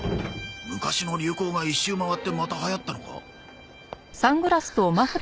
昔の流行が一周回ってまた流行ったのか？